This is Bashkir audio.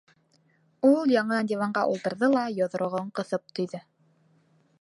Ул яңынан диванға ултырҙы ла йоҙроғон ҡыҫып төйҙө.